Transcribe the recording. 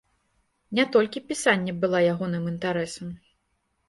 Не толькі пісанне была ягоным інтарэсам.